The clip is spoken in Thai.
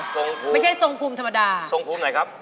ทรงภูมิไม่ใช่ทรงภูมิธรรมดาทรงภูมิไหนครับ